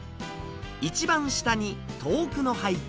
一番下に遠くの背景。